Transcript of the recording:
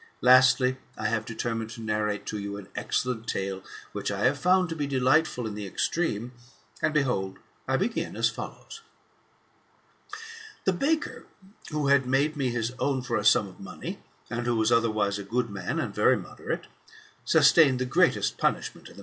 Lastly, I have determined to narrate to you an excellent tale, which I have found to be delightful in the extreme, and behold I begin as follows : The baker who had made me his own for a sum of money, and who was otherwise a good man and very moderate, sus tained the greatest punishment in the.